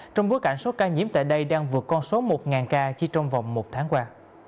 trong bối cảnh số ca nhiễm tại đây đang vượt con số một ca chỉ trong vòng một tháng qua